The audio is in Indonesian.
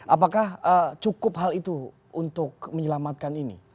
apakah cukup hal itu untuk menyelamatkan ini